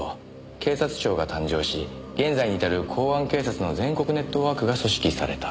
警察庁が誕生し現在に至る公安警察の全国ネットワークが組織された。